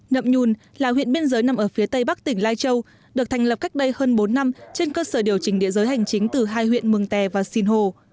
nậm nhùn là huyện biên giới nằm ở phía tây bắc tỉnh lai châu được thành lập cách đây hơn bốn năm trên cơ sở điều chỉnh địa giới hành chính từ hai huyện mường tè và sinh hồ